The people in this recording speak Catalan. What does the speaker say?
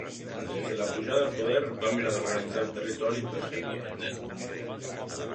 Des de la pujada al poder va mirar d'organitzar el territori per ser independent.